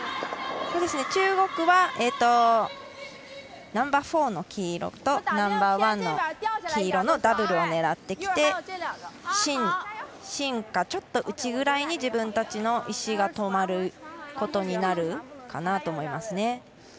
中国はナンバーフォーの黄色とナンバーワンの黄色のダブルを狙ってきて芯かちょっと内ぐらいに自分たちの石が止まることになるかなと思います。